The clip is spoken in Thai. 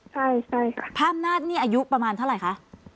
ใช่ค่ะพระอำนาจนี่อายุประมาณเท่าไหร่คะ